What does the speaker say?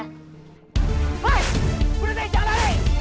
hei berhenti jangan lari